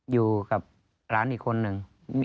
อยู่กับหลานอีกคนนึง